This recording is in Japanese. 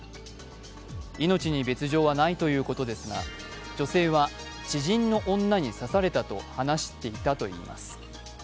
命に別状はないということですが女性は知人の女に刺されたと話していたといいます。